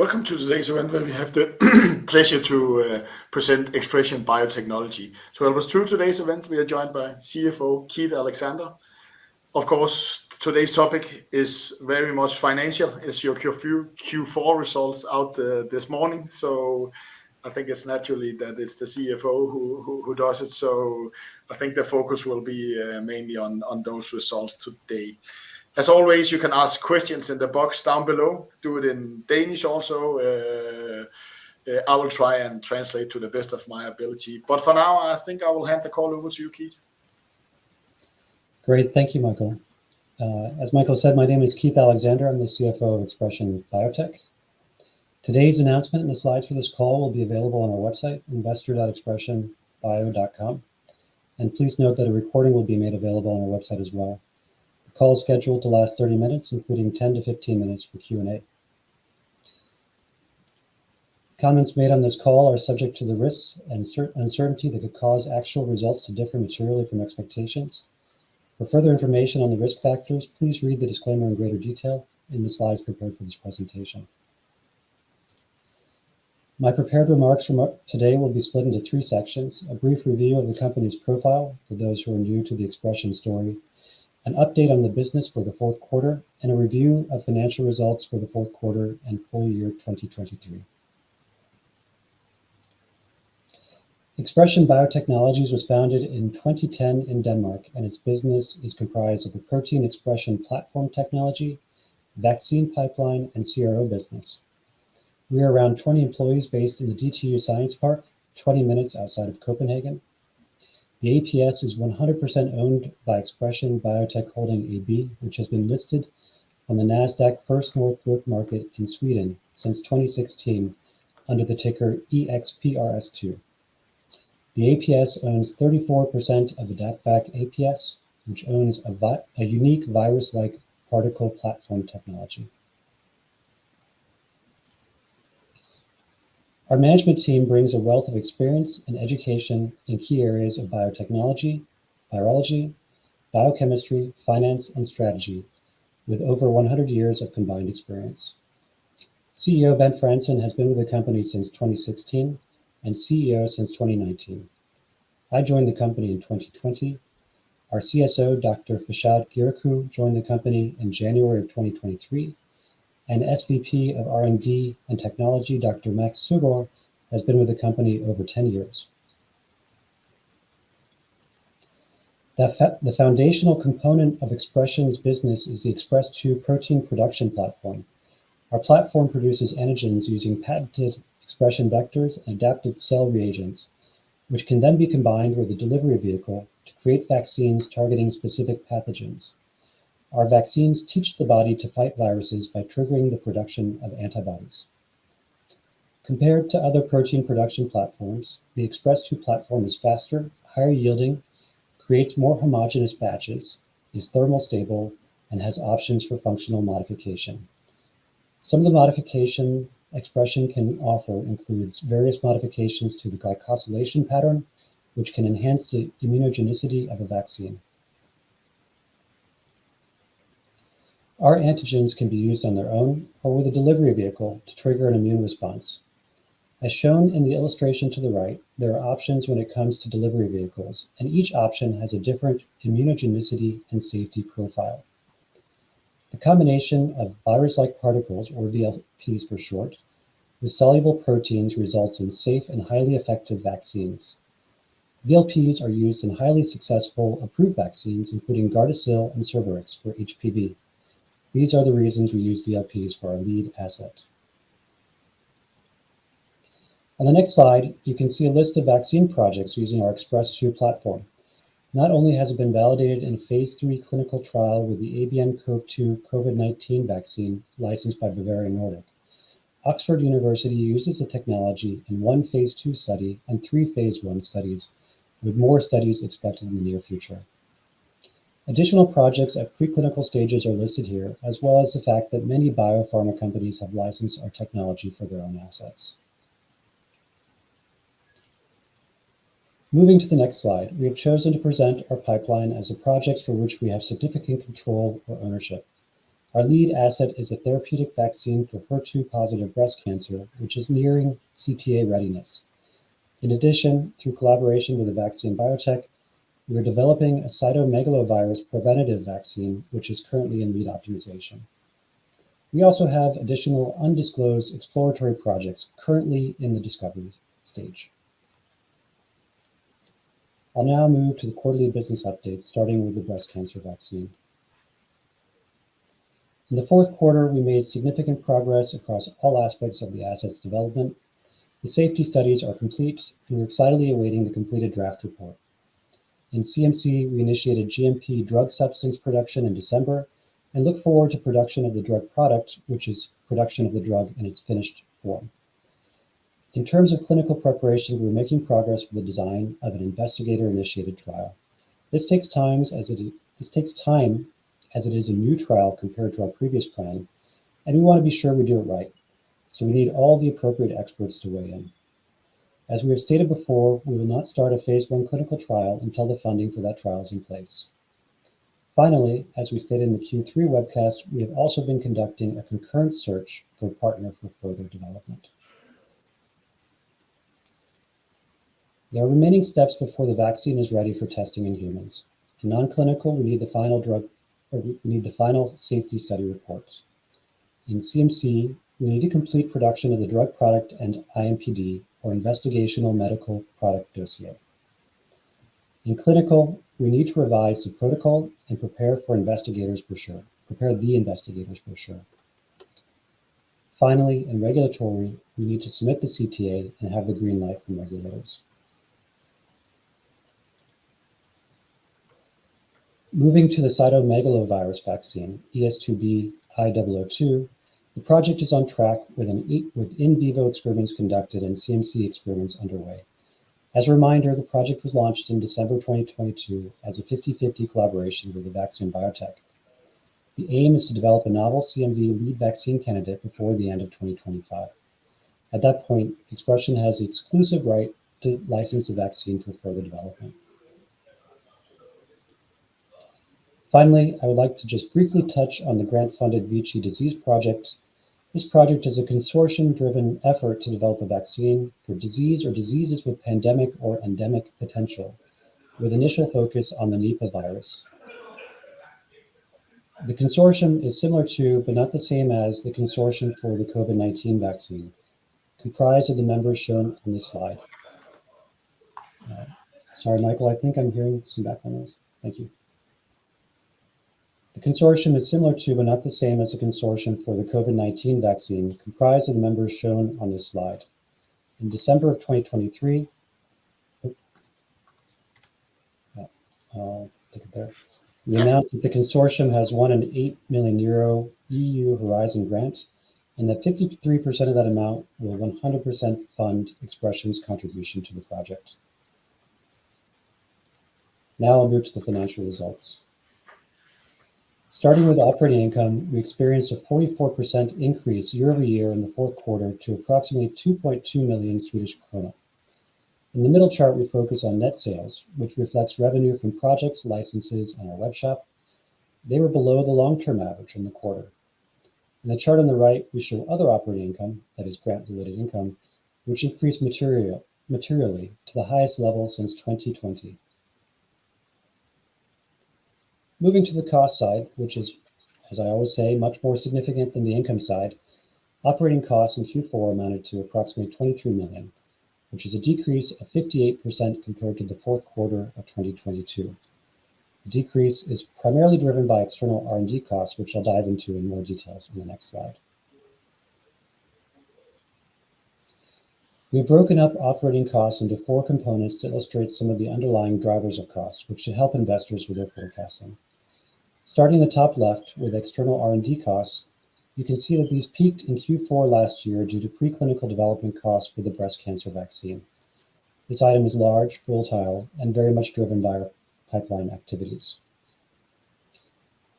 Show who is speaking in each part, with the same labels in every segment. Speaker 1: Welcome to today's event, where we have the pleasure to present ExpreS2ion Biotechnologies. To help us through today's event, we are joined by CFO Keith Alexander. Of course, today's topic is very much financial. It's your Q4 results out this morning. So I think it's naturally that it's the CFO who does it. So I think the focus will be mainly on those results today. As always, you can ask questions in the box down below, do it in Danish also. I will try and translate to the best of my ability. But for now, I think I will hand the call over to you, Keith.
Speaker 2: Great. Thank you, Michael. As Michael said, my name is Keith Alexander. I'm the CFO of ExpreS2ion Biotech. Today's announcement and the slides for this call will be available on our website, investor.expres2ionbio.com. Please note that a recording will be made available on our website as well. The call is scheduled to last 30 minutes, including 10-15 minutes for Q and A. Comments made on this call are subject to the risks and uncertainties that could cause actual results to differ materially from expectations. For further information on the risk factors, please read the disclaimer in greater detail in the slides prepared for this presentation. My prepared remarks from today will be split into three sections: a brief review of the company's profile for those who are new to the ExpreS2ion story, an update on the business for the fourth quarter, and a review of financial results for the fourth quarter and full year 2023. ExpreS2ion Biotechnologies was founded in 2010 in Denmark, and its business is comprised of the protein expression platform technology, vaccine pipeline, and CRO business. We are around 20 employees based in the DTU Science Park, 20 minutes outside of Copenhagen. The ApS is 100% owned by ExpreS2ion Biotech Holding AB, which has been listed on the NASDAQ First North Growth Market in Sweden since 2016 under the ticker EXPRS2. The ApS owns 34% of AdaptVac ApS, which owns a unique virus-like particle platform technology. Our management team brings a wealth of experience and education in key areas of biotechnology, virology, biochemistry, finance, and strategy, with over 100 years of combined experience. CEO Bent Frandsen has been with the company since 2016 and CEO since 2019. I joined the company in 2020. Our CSO, Dr. Farshad Guirakhoo, joined the company in January of 2023, and SVP of R&D and Technology, Dr. Max Søgaard, has been with the company over 10 years. The foundational component of ExpreS2ion's business is the ExpreS2 protein production platform. Our platform produces antigens using patented expression vectors, adapted cell reagents, which can then be combined with a delivery vehicle to create vaccines targeting specific pathogens. Our vaccines teach the body to fight viruses by triggering the production of antibodies. Compared to other protein production platforms, the ExpreS2 platform is faster, higher yielding, creates more homogeneous batches, is thermally stable, and has options for functional modification. Some of the modifications ExpreS2ion can offer include various modifications to the glycosylation pattern, which can enhance the immunogenicity of a vaccine. Our antigens can be used on their own or with a delivery vehicle to trigger an immune response. As shown in the illustration to the right, there are options when it comes to delivery vehicles, and each option has a different immunogenicity and safety profile. The combination of virus-like particles, or VLPs for short, with soluble proteins results in safe and highly effective vaccines. VLPs are used in highly successful approved vaccines, including Gardasil and Cervarix for HPV. These are the reasons we use VLPs for our lead asset. On the next slide, you can see a list of vaccine projects using our ExpreS2 platform. Not only has it been validated in phase III clinical trial with the ABNCoV2 COVID-19 vaccine licensed by Bavarian Nordic, Oxford University uses the technology in one phase II study and three phase I studies, with more studies expected in the near future. Additional projects at preclinical stages are listed here, as well as the fact that many biopharma companies have licensed our technology for their own assets. Moving to the next slide, we have chosen to present our pipeline as a project for which we have significant control or ownership. Our lead asset is a therapeutic vaccine for HER2-positive breast cancer, which is nearing CTA readiness. In addition, through collaboration with Evaxion Biotech, we are developing a cytomegalovirus preventative vaccine, which is currently in lead optimization. We also have additional undisclosed exploratory projects currently in the discovery stage. I'll now move to the quarterly business update, starting with the breast cancer vaccine. In the fourth quarter, we made significant progress across all aspects of the asset's development. The safety studies are complete, and we're excitedly awaiting the completed draft report. In CMC, we initiated GMP drug substance production in December and look forward to production of the drug product, which is production of the drug in its finished form. In terms of clinical preparation, we're making progress with the design of an investigator-initiated trial. This takes time as it is a new trial compared to our previous plan, and we want to be sure we do it right, so we need all the appropriate experts to weigh in. As we have stated before, we will not start a phase I clinical trial until the funding for that trial is in place. Finally, as we said in the Q3 webcast, we have also been conducting a concurrent search for a partner for further development. There are remaining steps before the vaccine is ready for testing in humans. In non-clinical, we need the final drug, or we need the final safety study reports. In CMC, we need to complete production of the drug product and IMPD, or Investigational Medicinal Product Dossier. In clinical, we need to revise the protocol and prepare the investigator's brochure. Finally, in regulatory, we need to submit the CTA and have the green light from regulators. Moving to the cytomegalovirus vaccine, ES2B-I002, the project is on track with in vivo experiments conducted and CMC experiments underway. As a reminder, the project was launched in December 2022 as a 50/50 collaboration with Evaxion Biotech. The aim is to develop a novel CMV lead vaccine candidate before the end of 2025. At that point, ExpreS2ion has exclusive right to license the vaccine for further development. Finally, I would like to just briefly touch on the grant-funded VICI-DISEASE project. This project is a consortium-driven effort to develop a vaccine for disease or diseases with pandemic or endemic potential, with initial focus on the Nipah virus. The consortium is similar to, but not the same as, the consortium for the COVID-19 vaccine, comprised of the members shown on this slide. Sorry, Michael, I think I'm hearing some background noise. Thank you. The consortium is similar to, but not the same as, the consortium for the COVID-19 vaccine, comprised of the members shown on this slide. In December of 2023, click it there. We announced that the consortium has won a 8 million euro EU Horizon grant, and that 53% of that amount will 100% fund ExpreS2ion's contribution to the project. Now I'll move to the financial results. Starting with operating income, we experienced a 44% increase year-over-year in the fourth quarter to approximately 2.2 million Swedish krona. In the middle chart, we focus on net sales, which reflects revenue from projects, licenses, and our webshop. They were below the long-term average in the quarter. In the chart on the right, we show other operating income, that is, grant-related income, which increased materially to the highest level since 2020. Moving to the cost side, which is, as I always say, much more significant than the income side. Operating costs in Q4 amounted to approximately 23 million, which is a decrease of 58% compared to the fourth quarter of 2022. The decrease is primarily driven by external R&D costs, which I'll dive into in more details in the next slide. We've broken up operating costs into four components to illustrate some of the underlying drivers of costs, which should help investors with their forecasting. Starting at the top left with external R&D costs, you can see that these peaked in Q4 last year due to preclinical development costs for the breast cancer vaccine. This item is large, volatile, and very much driven by our pipeline activities.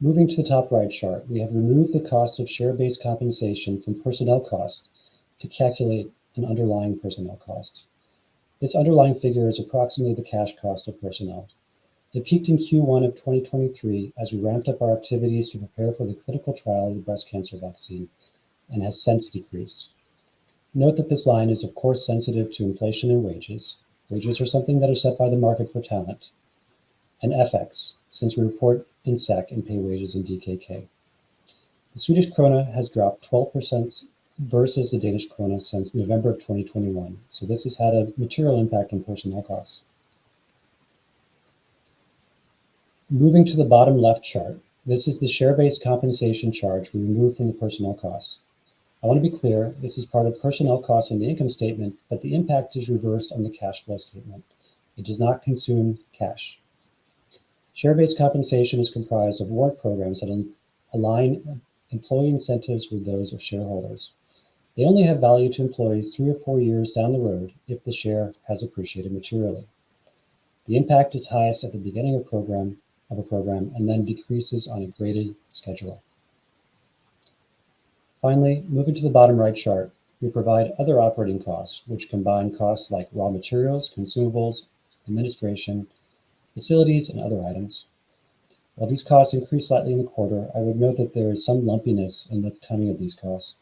Speaker 2: Moving to the top right chart, we have removed the cost of share-based compensation from personnel costs to calculate an underlying personnel cost. This underlying figure is approximately the cash cost of personnel. It peaked in Q1 of 2023 as we ramped up our activities to prepare for the clinical trial of the breast cancer vaccine and has since decreased. Note that this line is, of course, sensitive to inflation and wages. Wages are something that are set by the market for talent and FX, since we report in SEK and pay wages in DKK. The Swedish krona has dropped 12% versus the Danish krona since November of 2021, so this has had a material impact on personnel costs. Moving to the bottom left chart, this is the share-based compensation charge we removed from the personnel costs. I want to be clear, this is part of personnel costs in the income statement, but the impact is reversed on the cash flow statement. It does not consume cash. Share-based compensation is comprised of award programs that align employee incentives with those of shareholders. They only have value to employees three or four years down the road if the share has appreciated materially. The impact is highest at the beginning of a program, and then decreases on a graded schedule. Finally, moving to the bottom right chart, we provide other operating costs, which combine costs like raw materials, consumables, administration, facilities, and other items. While these costs increased slightly in the quarter, I would note that there is some lumpiness in the timing of these costs.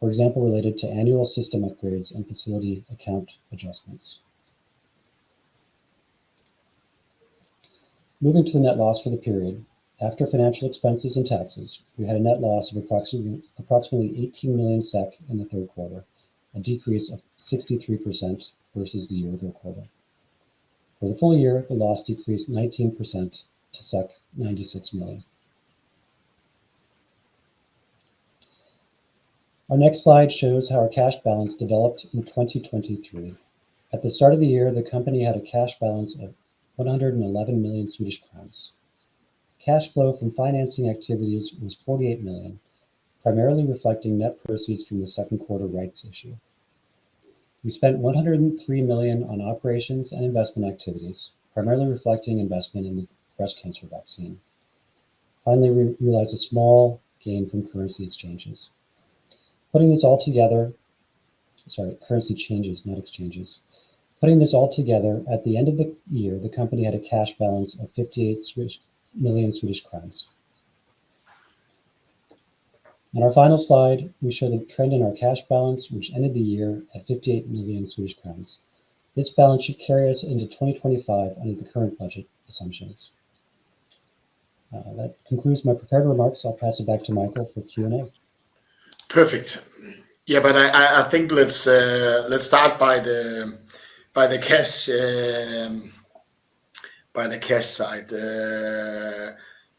Speaker 2: For example, related to annual system upgrades and facility account adjustments. Moving to the net loss for the period. After financial expenses and taxes, we had a net loss of approximately 18 million SEK in the third quarter, a decrease of 63% versus the year-ago quarter. For the full year, the loss decreased 19% to 96 million. Our next slide shows how our cash balance developed in 2023. At the start of the year, the company had a cash balance of 111 million Swedish crowns. Cash flow from financing activities was 48 million, primarily reflecting net proceeds from the second quarter rights issue. We spent 103 million on operations and investment activities, primarily reflecting investment in the breast cancer vaccine. Finally, we realized a small gain from currency exchanges.... putting this all together, sorry, currency changes, not exchanges. Putting this all together, at the end of the year, the company had a cash balance of SEK 58 million. In our final slide, we show the trend in our cash balance, which ended the year at 58 million Swedish crowns. This balance should carry us into 2025 under the current budget assumptions. That concludes my prepared remarks. I'll pass it back to Michael for Q and A.
Speaker 1: Perfect. Yeah, but I think let's start by the cash side.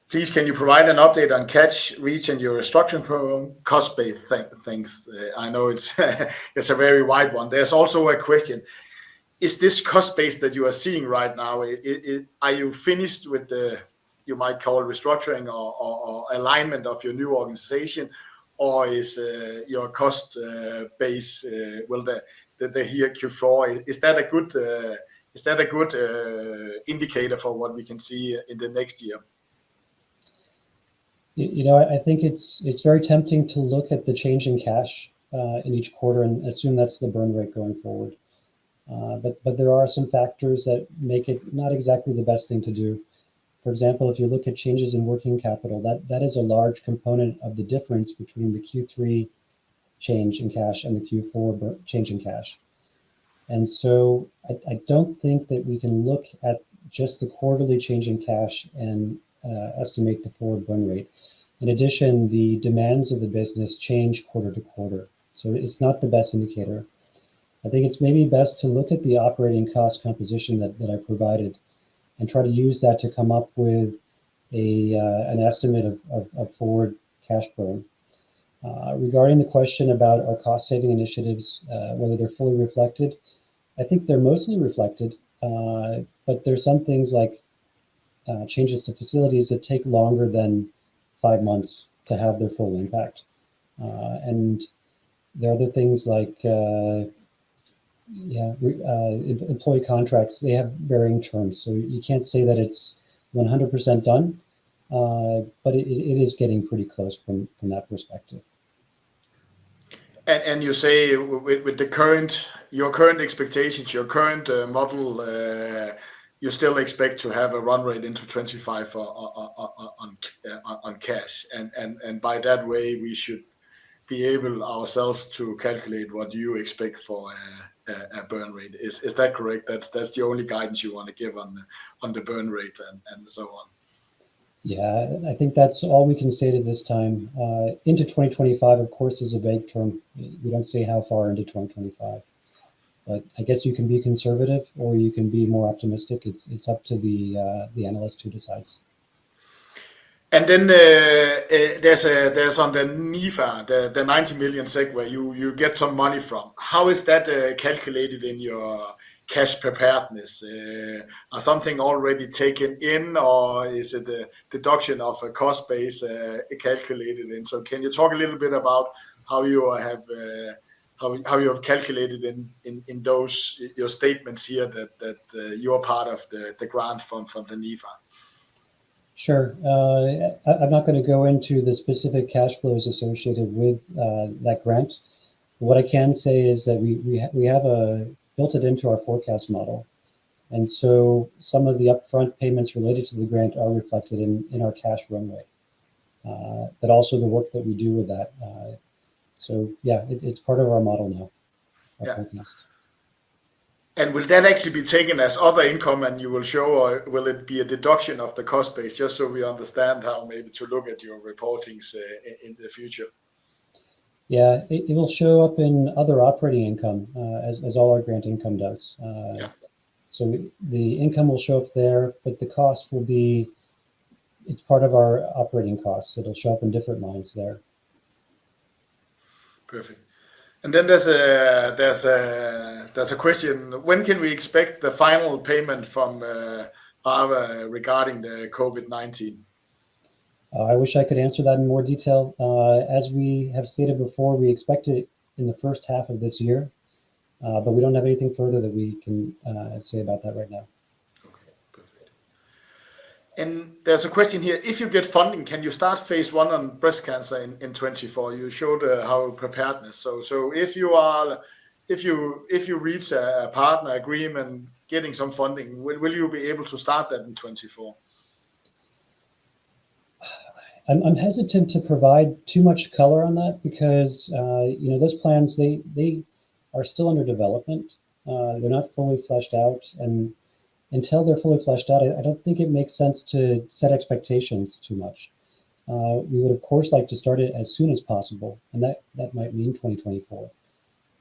Speaker 1: Please, can you provide an update on cash reach and your restructuring program cost base things? I know it's a very wide one. There's also a question: Is this cost base that you are seeing right now, is... Are you finished with the, you might call it restructuring or alignment of your new organization? Or is your cost base, well, the here Q4, is that a good indicator for what we can see in the next year?
Speaker 2: You know, I think it's very tempting to look at the change in cash in each quarter and assume that's the burn rate going forward. But there are some factors that make it not exactly the best thing to do. For example, if you look at changes in working capital, that is a large component of the difference between the Q3 change in cash and the Q4 change in cash. So I don't think that we can look at just the quarterly change in cash and estimate the forward burn rate. In addition, the demands of the business change quarter to quarter, so it's not the best indicator. I think it's maybe best to look at the operating cost composition that I provided and try to use that to come up with an estimate of forward cash burn. Regarding the question about our cost-saving initiatives, whether they're fully reflected, I think they're mostly reflected. But there's some things like changes to facilities that take longer than five months to have their full impact. And there are other things like employee contracts, they have varying terms, so you can't say that it's 100% done. But it is getting pretty close from that perspective.
Speaker 1: You say with the current, your current model, you still expect to have a run rate into 2025 on cash. And by the way, we should be able ourselves to calculate what you expect for a burn rate. Is that correct? That's the only guidance you want to give on the burn rate and so on?
Speaker 2: Yeah. I think that's all we can say at this time. Into 2025, of course, is a vague term. We don't say how far into 2025, but I guess you can be conservative or you can be more optimistic. It's up to the analyst who decides.
Speaker 1: And then, there's on the NIFA, the 90 million you get some money from. How is that calculated in your cash preparedness? Are something already taken in, or is it the deduction of a cost base calculated in? So can you talk a little bit about how you have calculated in those, your statements here, that you're part of the grant from the NIFA?
Speaker 2: Sure. I, I'm not gonna go into the specific cash flows associated with that grant. What I can say is that we have built it into our forecast model, and so some of the upfront payments related to the grant are reflected in our cash runway. But also the work that we do with that. So yeah, it's part of our model now.
Speaker 1: Yeah.
Speaker 2: Our forecast.
Speaker 1: Will that actually be taken as other income, and you will show, or will it be a deduction of the cost base? Just so we understand how maybe to look at your reportings in the future.
Speaker 2: Yeah. It will show up in other operating income, as all our grant income does. So the income will show up there, but the cost will be, it's part of our operating costs. It'll show up in different lines there.
Speaker 1: Perfect. And then there's a question: When can we expect the final payment from AdaptVac regarding the COVID-19?
Speaker 2: I wish I could answer that in more detail. As we have stated before, we expect it in the first half of this year, but we don't have anything further that we can say about that right now.
Speaker 1: Okay. Perfect. And there's a question here: If you get funding, can you start phase I on breast cancer in 2024? You showed how preparedness. So if you reach a partner agreement, getting some funding, will you be able to start that in 2024?
Speaker 2: I'm hesitant to provide too much color on that because, you know, those plans, they are still under development. They're not fully fleshed out, and until they're fully fleshed out, I don't think it makes sense to set expectations too much. We would, of course, like to start it as soon as possible, and that might mean 2024.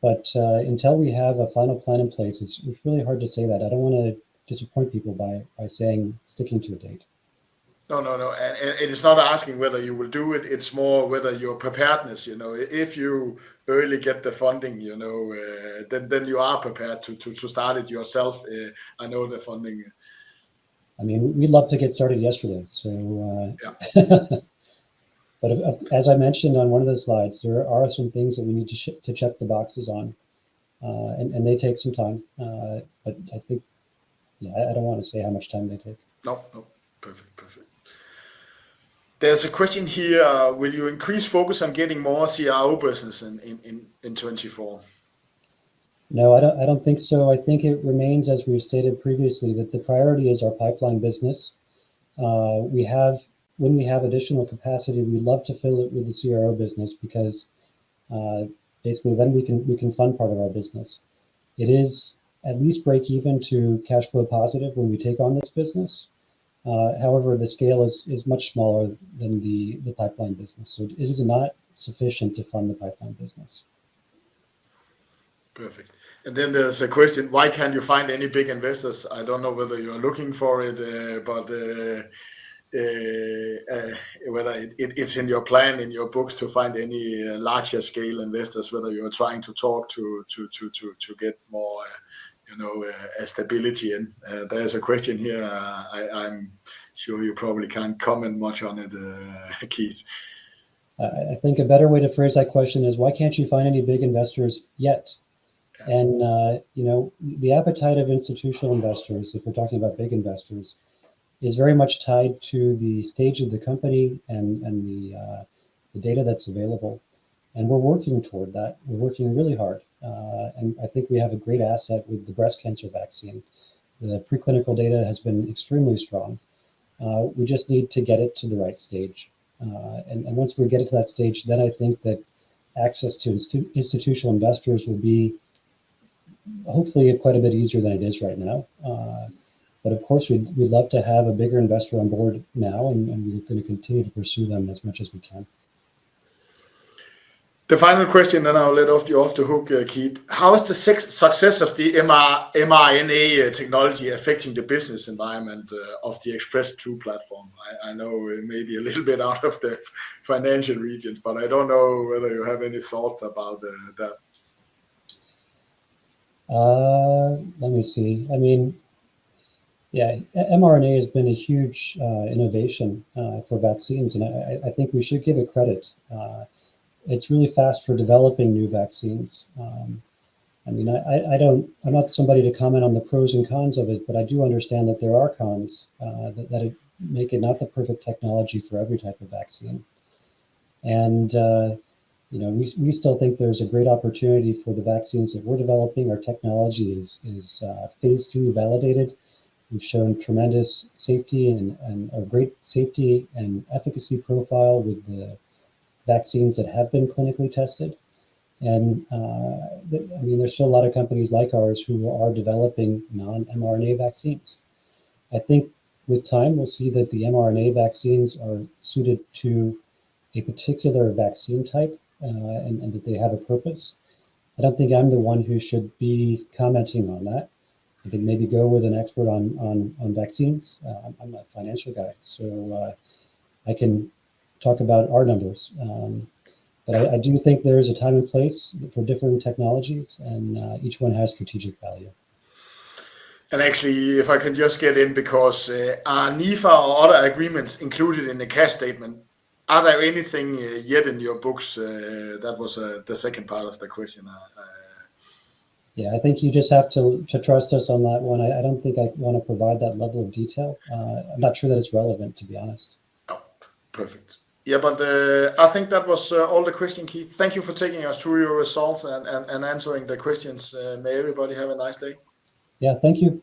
Speaker 2: But until we have a final plan in place, it's really hard to say that. I don't wanna disappoint people by saying sticking to a date.
Speaker 1: No, no, no, and it is not asking whether you will do it. It's more whether you're preparedness, you know, if you early get the funding, you know, then you are prepared to start it yourself. I know the funding-
Speaker 2: I mean, we'd love to get started yesterday, so...
Speaker 1: Yeah.
Speaker 2: But as I mentioned on one of the slides, there are some things that we need to check the boxes on, and they take some time. But I think... Yeah, I don't wanna say how much time they take.
Speaker 1: Nope. Nope. Perfect. Perfect... There's a question here, will you increase focus on getting more CRO business in 2024?
Speaker 2: No, I don't think so. I think it remains as we stated previously, that the priority is our pipeline business. We have, when we have additional capacity, we'd love to fill it with the CRO business, because basically then we can fund part of our business. It is at least break even to cash flow positive when we take on this business. However, the scale is much smaller than the pipeline business, so it is not sufficient to fund the pipeline business.
Speaker 1: Perfect. Then there's a question, why can't you find any big investors? I don't know whether you are looking for it, but whether it's in your plan, in your books, to find any larger scale investors, whether you are trying to talk to get more, you know, stability. And there's a question here, I'm sure you probably can't comment much on it, Keith.
Speaker 2: I think a better way to phrase that question is, why can't you find any big investors yet? And you know, the appetite of institutional investors, if we're talking about big investors, is very much tied to the stage of the company and the data that's available. And we're working toward that. We're working really hard. And I think we have a great asset with the breast cancer vaccine. The preclinical data has been extremely strong. We just need to get it to the right stage. And once we get it to that stage, then I think that access to institutional investors will be hopefully quite a bit easier than it is right now. But of course, we'd love to have a bigger investor on board now, and we're gonna continue to pursue them as much as we can.
Speaker 1: The final question, then I'll let you off the hook, Keith. How is the success of the mRNA technology affecting the business environment of the ExpreS2 platform? I know it may be a little bit out of the financial region, but I don't know whether you have any thoughts about that.
Speaker 2: Let me see. I mean, yeah, mRNA has been a huge innovation for vaccines, and I think we should give it credit. It's really fast for developing new vaccines. I mean, I'm not somebody to comment on the pros and cons of it, but I do understand that there are cons that make it not the perfect technology for every type of vaccine. You know, we still think there's a great opportunity for the vaccines that we're developing. Our technology is phase II validated. We've shown tremendous safety and a great safety and efficacy profile with the vaccines that have been clinically tested. I mean, there's still a lot of companies like ours who are developing non-mRNA vaccines. I think with time, we'll see that the mRNA vaccines are suited to a particular vaccine type, and that they have a purpose. I don't think I'm the one who should be commenting on that. I think maybe go with an expert on vaccines. I'm a financial guy, so, I can talk about our numbers. But I do think there is a time and place for different technologies, and each one has strategic value.
Speaker 1: Actually, if I can just get in, because are NIFA or other agreements included in the cash statement? Are there anything yet in your books? That was the second part of the question.
Speaker 2: Yeah, I think you just have to trust us on that one. I don't think I'd want to provide that level of detail. I'm not sure that it's relevant, to be honest.
Speaker 1: Oh, perfect. Yeah, but I think that was all the question, Keith. Thank you for taking us through your results and answering the questions. May everybody have a nice day.
Speaker 2: Yeah. Thank you.